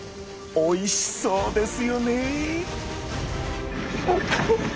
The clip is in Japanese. おいしそうですよね！